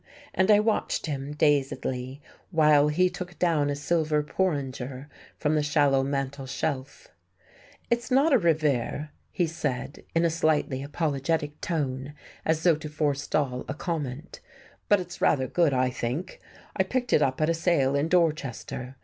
And I watched him, dazedly, while he took down a silver porringer from the shallow mantel shelf. "It's not a Revere," he said, in a slightly apologetic tone as though to forestall a comment, "but it's rather good, I think. I picked it up at a sale in Dorchester.